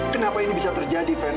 kenapa ini bisa terjadi van